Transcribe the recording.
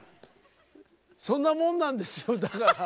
そんなもんなんですよだから。